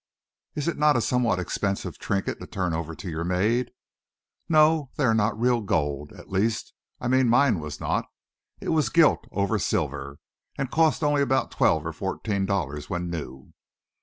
"Is it not a somewhat expensive trinket to turn over to your maid?" "No; they are not real gold. At least, I mean mine was not. It was gilt over silver, and cost only about twelve or fourteen dollars when new."